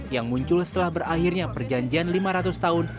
yang muncul setelah berakhirnya perjanjian lima ratus tahun